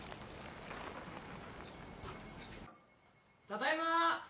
ただいま！